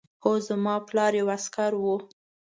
هو زما پلار یو عسکر و